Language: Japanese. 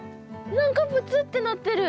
何かぷつってなってる。